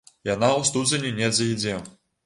Яна ў студзені недзе ідзе.